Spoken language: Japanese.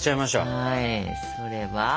はいそれは？